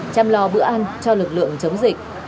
chăm lo bữa ăn cho lực lượng chống dịch